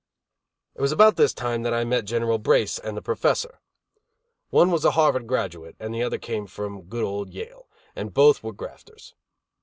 It was about this time that I met General Brace and the Professor. One was a Harvard graduate, and the other came from good old Yale; and both were grafters.